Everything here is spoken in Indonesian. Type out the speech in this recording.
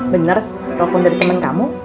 benar telepon dari temen kamu